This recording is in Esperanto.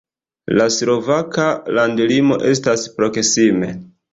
La slovaka landlimo estas proksime.